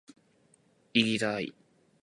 いぎだい！！！！